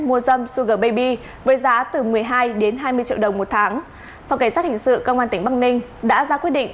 mua dâm suger baby với giá từ một mươi hai đến hai mươi triệu đồng một tháng phòng cảnh sát hình sự công an tỉnh bắc ninh đã ra quyết định